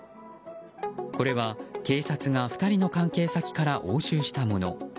これは、警察が２人の関係先から押収したもの。